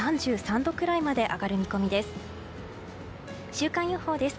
週間予報です。